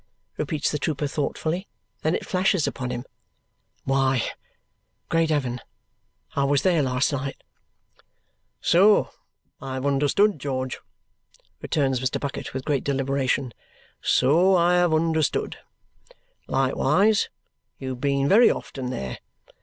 repeats the trooper thoughtfully. Then it flashes upon him. "Why, great heaven, I was there last night!" "So I have understood, George," returns Mr. Bucket with great deliberation. "So I have understood. Likewise you've been very often there.